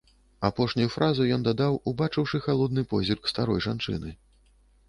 Апошнюю фразу ён дадаў, убачыўшы халодны позірк старой жанчыны.